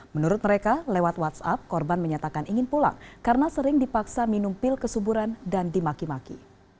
menurut mereka lewat whatsapp korban menyatakan ingin pulang karena sering dipaksa minum pil kesuburan dan dimaki maki